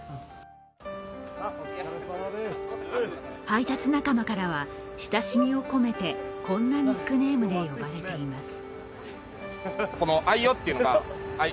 配達仲間からは親しみを込めてこんなニックネームで呼ばれています。